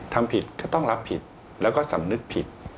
ทำผิดก็ต้องรับผิดแล้วก็สำนึกผิด